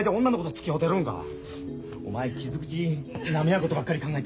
お前傷口なめ合うことばっかり考えてんのか？